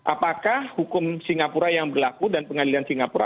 apakah hukum singapura yang berlaku dan pengadilan singapura